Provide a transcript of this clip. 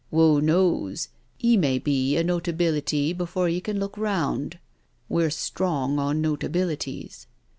W'o knows, 'e may be a notability before you can look round— we're strong on notabilities.